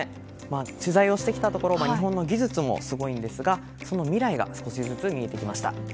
取材をしてきたところ日本の技術もすごいんですがその未来が少しずつ見えてきました。